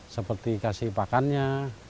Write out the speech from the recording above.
seperti kasih pakannya